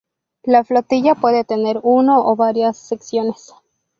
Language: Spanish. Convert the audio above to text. La Flotilla puede tener uno o varias Secciones.